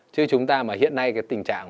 chứ chúng ta mà hiện nay cái tình trạng